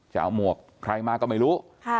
จะเอาหมวกใครมาก็ไม่รู้